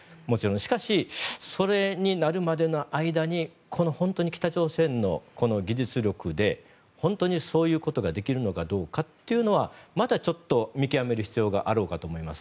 しかし、それになるまでの間に本当に北朝鮮の技術力で本当にそういうことができるのかどうかはまだちょっと見極める必要があろうかと思います。